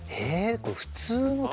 これ普通のなの？